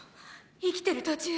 生きてる途中！